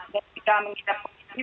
dan kita mengikuti